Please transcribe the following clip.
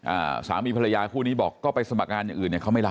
อ่าสามีภรรยาคู่นี้บอกก็ไปสมัครงานอย่างอื่นเนี่ยเขาไม่รับ